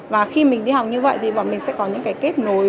và khi mình đi học như vậy thì bọn mình sẽ có những cái kết nối